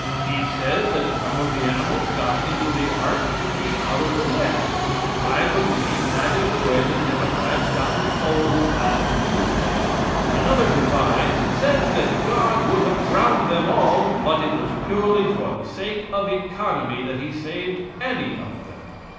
He says that some of the animals got into the ark to keep out of the wet. I believe that is the way the Democrats got to the polls last Tuesday. Another divine says that God would have drowned them all, but it was purely for the sake of economy that He saved any of them.